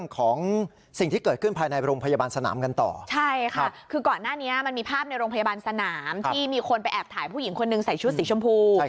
ก่อนหน้านี้มันมีภาพในโรงพยาบาลสนามที่มีคนไปแอบถ่ายผู้หญิงคนหนึ่งใส่ชุดสีชมพู